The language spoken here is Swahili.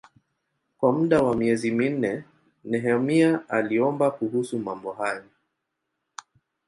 Kwa muda wa miezi minne Nehemia aliomba kuhusu mambo hayo.